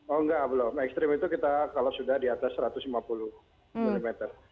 oh nggak belum ekstrim itu kalau sudah di atas satu ratus lima puluh milimeter